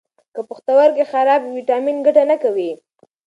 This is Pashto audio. که پښتورګي خراب وي، ویټامین ګټه نه کوي.